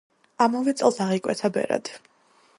ამავე წელს აღიკვეცა ბერად.